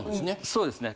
そうですね。